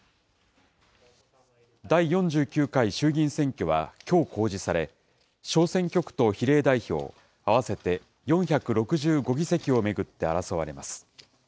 第４９回衆議院選挙はきょう公示され、小選挙区と比例代表合わせて４６５議席を巡って争われます。